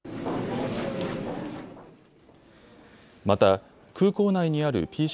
また空港内にある